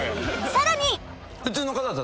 ［さらに］